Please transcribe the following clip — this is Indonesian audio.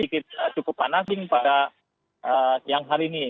sedikit cukup panasin pada siang hari ini